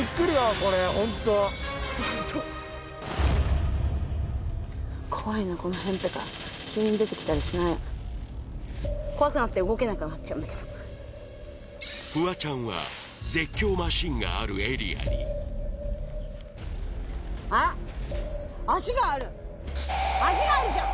これホントフワちゃんは絶叫マシンがあるエリアにあっ足があるじゃん